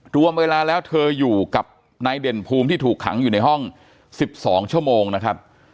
รวมเวลาแล้วเธออยู่กับนายเด่นภูมิที่ถูกขังอยู่ในห้อง๑๒ชั่วโมงนะครับ